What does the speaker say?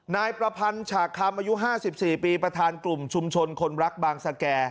นายประพันธ์ฉากคำอายุ๕๔ปีประธานกลุ่มชุมชนคนรักบางสแก่